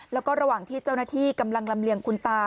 แล้วก็ระหว่างที่เจ้าหน้าที่กำลังลำเลียงคุณตา